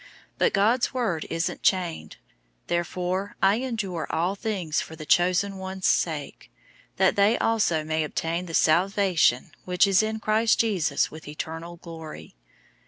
But God's word isn't chained. 002:010 Therefore I endure all things for the chosen ones' sake, that they also may obtain the salvation which is in Christ Jesus with eternal glory.